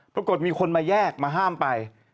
ปรากฏมีคนมาแยกมาห้ามไป